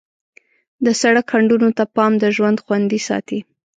د سړک خنډونو ته پام د ژوند خوندي ساتي.